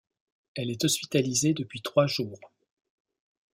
Elle est hospitalisée depuis trois jours.